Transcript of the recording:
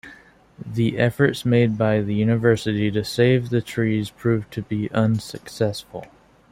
The efforts made by the university to save the trees proved to be unsuccessful.